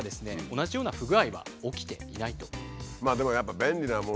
同じような不具合は起きていないと。